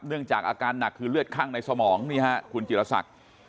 เนื่องจากอาการหนักคือเลือดข้างในสมองมีฮะคุณจิลศักดิ์